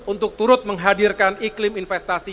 untuk turut menghadirkan iklim investasi